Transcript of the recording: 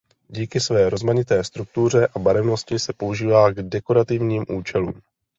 Díky své rozmanité struktuře a barevnosti se používá k dekorativním účelům.